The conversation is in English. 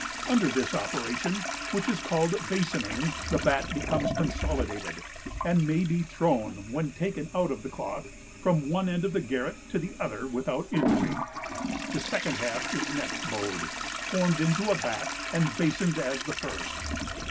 Under this operation (which is called BASONING) the bat becomes consolidated, and may be thrown, when taken out of the cloth, from one end of the garret to the other without injury. The second half is next bowed, formed into a bat, and basoned as the first.